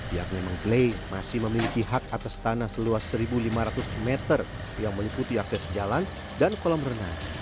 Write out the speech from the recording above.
pihaknya mengklaim masih memiliki hak atas tanah seluas satu lima ratus meter yang meliputi akses jalan dan kolam renang